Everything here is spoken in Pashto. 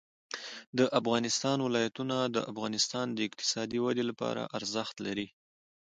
د افغانستان ولايتونه د افغانستان د اقتصادي ودې لپاره ارزښت لري.